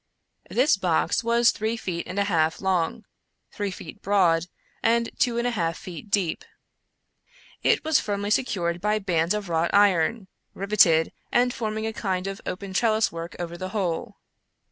This box was three feet and a half long, three feet broad, and two and a half feet deep. It was firmly secured by bands of wrought iron, riveted, and forming a kind of open trelliswork over the whole.